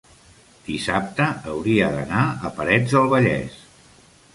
dissabte hauria d'anar a Parets del Vallès.